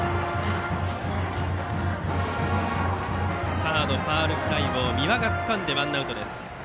サードのファウルフライ三輪がつかんでワンアウト。